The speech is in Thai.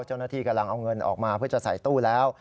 เจ้าหน้าที่กำลังเอาเงินออกมาเพื่อจะใส่ตู้แล้ว